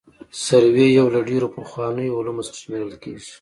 سروې یو له ډېرو پخوانیو علومو څخه شمېرل کیږي